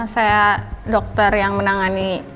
saya dokter yang menangani